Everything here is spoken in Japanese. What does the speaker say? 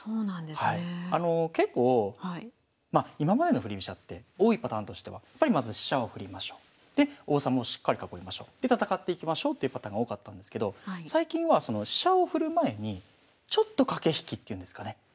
あの結構まあ今までの振り飛車って多いパターンとしてはやっぱりまず飛車を振りましょうで王様をしっかり囲いましょうで戦っていきましょうっていうパターンが多かったんですけど最近は飛車を振る前にちょっと駆け引きっていうんですかね